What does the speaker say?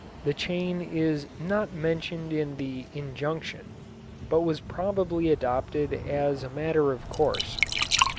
The chain is not mentioned in the Injunction, but was probably adopted as a matter of course.